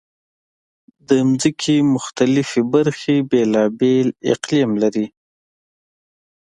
د ځمکې مختلفې برخې بېلابېل اقلیم لري.